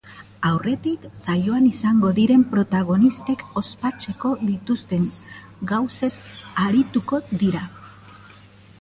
Aurretik, saioan izango diren protagonistek ospatzeko dituzten gauzez arituko dira.